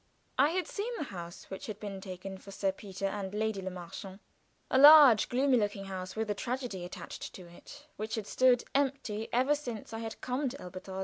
I had seen the house which had been taken for Sir Peter and Lady Le Marchant a large, gloomy looking house, with a tragedy attached to it, which had stood empty ever since I had come to Elberthal.